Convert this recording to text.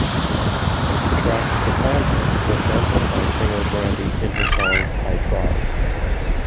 The track "The Clansman" was sampled by singer Brandy in her song "I Tried".